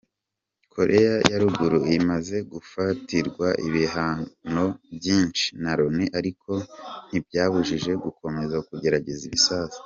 Koreya ya Ruguru imaze gufatirwa ibihano byinshi na Loni ariko ntibyayibujije gukomeza kugerageza ibisasu.